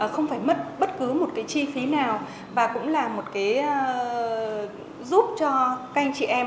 không phải mất bất cứ một chi phí nào và cũng là một giúp cho các anh chị em